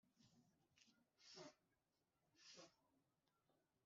ikivugwa kandi agamije kugira icyo ahindura